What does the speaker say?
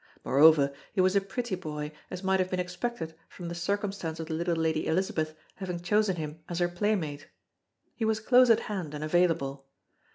Moreover, he was a pretty boy as might have been expected from the circumstance of the little Lady Elizabeth having chosen him as her playmate. He was close at hand and available.